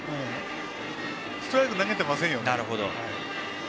ストライク投げていませんから。